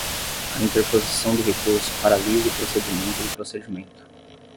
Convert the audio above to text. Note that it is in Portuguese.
A interposição do recurso paralisa o procedimento do procedimento.